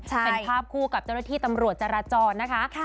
เป็นภาพคู่กับเจ้าหน้าที่ตำรวจจราจรนะคะ